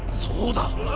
そうだ！！